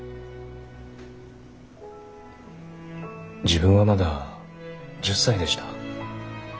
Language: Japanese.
自分はまだ１０歳でした。